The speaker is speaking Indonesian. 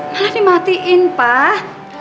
malah dimatiin pak